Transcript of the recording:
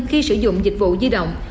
khi sử dụng dịch vụ di động